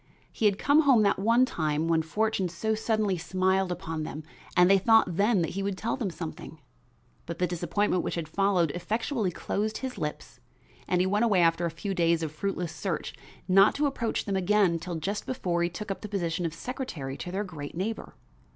He had come home that one time when fortune so suddenly smiled upon them and they thought then that he would tell them something; but the disappointment which had followed effectually closed his lips, and he went away after a few days of fruitless search, not to approach them again till just before he took up the position of secretary to their great neighbor.